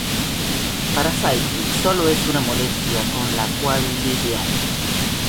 Para Saiki solo es una molestia con la cual lidiar.